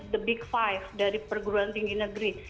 the big five dari perguruan tinggi negeri